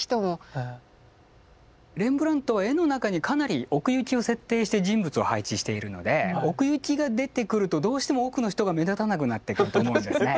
レンブラントは絵の中にかなり奥行きを設定して人物を配置しているので奥行きが出てくるとどうしても奥の人が目立たなくなってくると思うんですね。